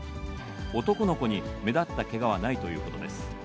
男の子に目立ったけがはないということです。